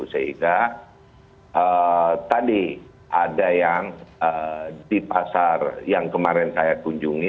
sehingga tadi ada yang di pasar yang kemarin saya kunjungi